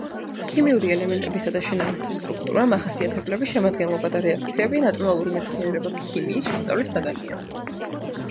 ქიმიური ელემენტებისა და შენაერთთა სტრუქტურა, მახასიათებლები, შემადგენლობა და რეაქციები ნატურალური მეცნიერება ქიმიის შესწავლის საგანია.